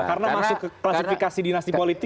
karena masuk ke klasifikasi dinasti politik kan